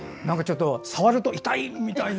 触ると痛いみたいな。